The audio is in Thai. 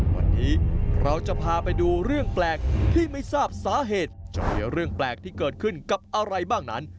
วันนี้เราจะพาไปดูเรื่องแปลกที่ไม่ทราบสาเหตุจะมีเรื่องแปลกที่เกิดขึ้นกับอะไรบ้างนั้น